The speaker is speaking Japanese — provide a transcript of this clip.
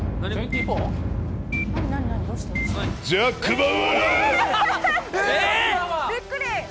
びっくり。